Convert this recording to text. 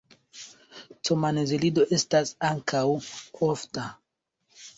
C-manoziligo estas ankaŭ ofta.